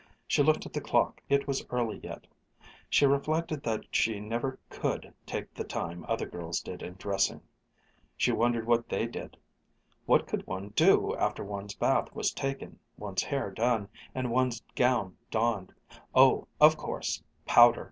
She looked at the clock. It was early yet. She reflected that she never could take the time other girls did in dressing. She wondered what they did. What could one do, after one's bath was taken, one's hair done, and one's gown donned oh, of course, powder!